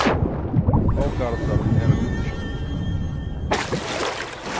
All cars are air-conditioned.